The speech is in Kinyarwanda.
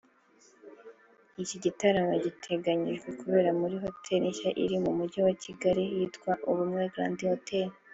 Iki gitaramo giteganyijwe kubera muri Hotel nshya iri mu mujyi wa Kigali yitwa Ubumwe Grande Hotel